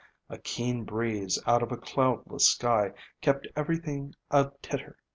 A keen breeze out of a cloudless sky kept everything a titter.